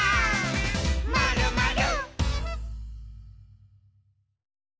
「まるまる」